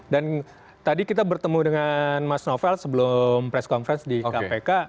dan tadi kita bertemu dengan mas novel sebelum press conference di kpk